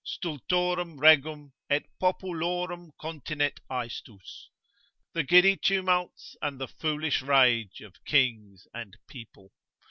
Stultorum regum, et populorum continet aestus. The giddy tumults and the foolish rage Of kings and people.